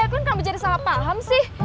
kalian kan menjadi salah paham sih